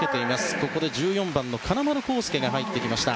ここで１４番の金丸晃輔が入ってきました。